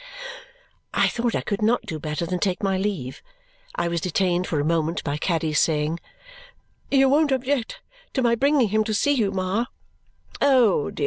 I thought I could not do better than take my leave; I was detained for a moment by Caddy's saying, "You won't object to my bringing him to see you, Ma?"